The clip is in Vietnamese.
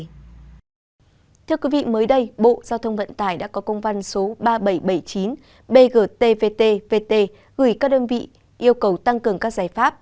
thưa quý vị mới đây bộ giao thông vận tải đã có công văn số ba nghìn bảy trăm bảy mươi chín bgtvtvt gửi các đơn vị yêu cầu tăng cường các giải pháp